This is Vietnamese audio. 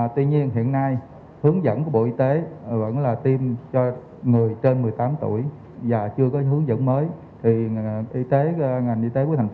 tuy nhiên hiện nay hướng dẫn của bộ y tế vẫn là tiêm cho người trên một mươi tám tuổi